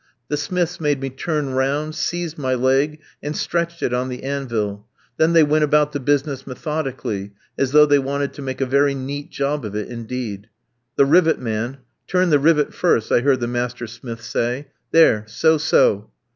The smiths made me turn round, seized my leg, and stretched it on the anvil. Then they went about the business methodically, as though they wanted to make a very neat job of it indeed. "The rivet, man, turn the rivet first," I heard the master smith say; "there, so, so.